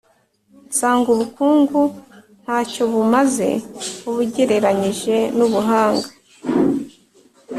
nsanga ubukungu nta cyo bumaze, ubugereranyije n’Ubuhanga.